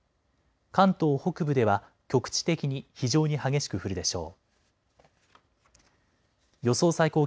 関東北部では局地的に非常に激しく降るでしょう。